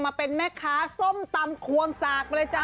มาเป็นแม่ค้าส้มตำควงสากเลยจ้ะ